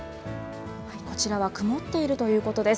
こちらは、曇っているということです。